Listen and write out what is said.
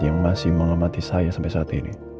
yang masih mengamati saya sampai saat ini